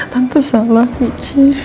tante salah benci